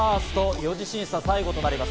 ４次審査、最後となります